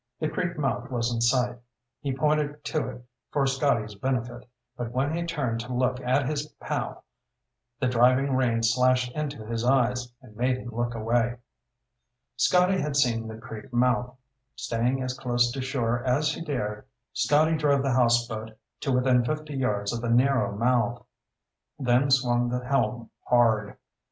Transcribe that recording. The creek mouth was in sight. He pointed to it for Scotty's benefit, but when he turned to look at his pal, the driving rain slashed into his eyes and made him look away. Scotty had seen the creek mouth. Staying as close to shore as he dared, Scotty drove the houseboat to within fifty yards of the narrow mouth, then swung the helm hard.